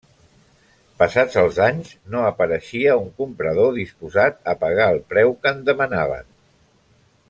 Passats els anys, no apareixia un comprador disposat a pagar el preu que en demanaven.